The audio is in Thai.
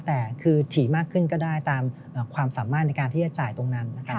แต่คือถี่มากขึ้นก็ได้ตามความสามารถในการที่จะจ่ายตรงนั้นนะครับ